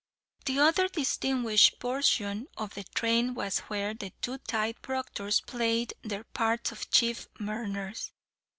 The other distinguished portion of the train was where the two tithe proctors played their parts of chief mourners.